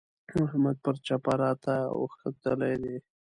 احمد پر چپه راته اوښتلی دی.